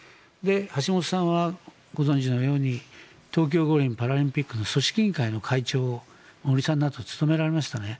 橋本さんはご存じのように東京オリンピック・パラリンピックの組織委員会の会長を森さんのあと務められましたね。